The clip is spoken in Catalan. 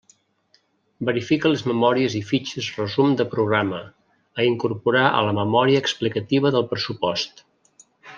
Verifica les memòries i fitxes resum de programa, a incorporar a la memòria explicativa del pressupost.